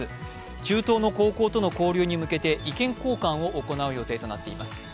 中東の高校との交流に向けて、意見交換を行う予定となっています。